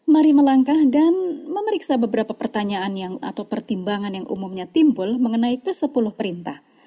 mari melangkah dan memeriksa beberapa pertanyaan atau pertimbangan yang umumnya timbul mengenai kesepuluh perintah